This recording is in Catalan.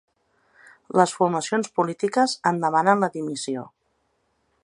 Les formacions polítiques en demanen la dimissió.